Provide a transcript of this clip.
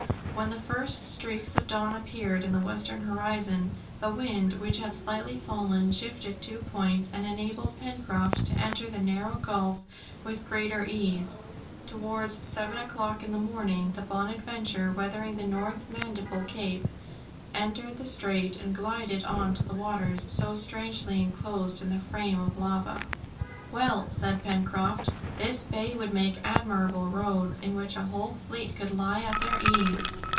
When the first streaks of dawn appeared in the western horizon, the wind, which had slightly fallen, shifted two points, and enabled Pencroft to enter the narrow gulf with greater ease. Towards seven o'clock in the morning, the Bonadventure, weathering the North Mandible Cape, entered the strait and glided on to the waters, so strangely enclosed in the frame of lava. "Well," said Pencroft, "this bay would make admirable roads, in which a whole fleet could lie at their ease!"